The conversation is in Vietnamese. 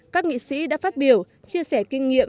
các nghị sĩ đã phát biểu chia sẻ kinh nghiệm